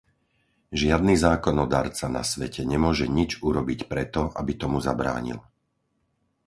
Žiadny zákonodarca na svete nemôže nič urobiť pre to, aby tomu zabránil.